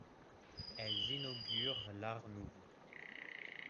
Elles inaugurent l'Art nouveau.